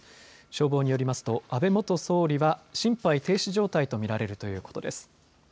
消防によりますと、安倍元総理は心肺停止状態と見られるということです。